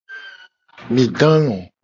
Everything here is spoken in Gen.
Mi do alo.